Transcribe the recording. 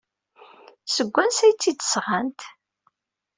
Seg wansi ay tt-id-sɣant?